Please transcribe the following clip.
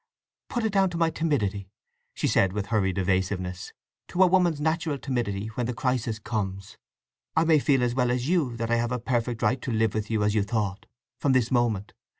"Put it down to my timidity," she said with hurried evasiveness; "to a woman's natural timidity when the crisis comes. I may feel as well as you that I have a perfect right to live with you as you thought—from this moment.